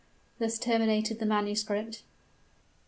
Thus terminated the manuscript.